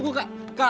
masih wanita dan ayah